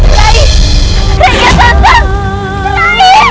rai raden kian santang rai